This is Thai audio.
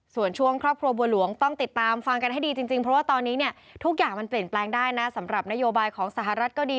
ส่วนช่วงครอบครัวบัวหลวงต้องติดตามฟังกันให้ดีจริงเพราะว่าตอนนี้เนี่ยทุกอย่างมันเปลี่ยนแปลงได้นะสำหรับนโยบายของสหรัฐก็ดี